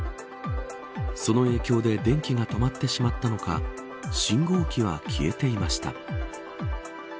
その影響で電気が止まってしまったのか信号機は消えていました。